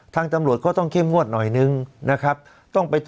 ทางตำรวจก็ต้องเคลียมงวดหน่อยหนึ่ง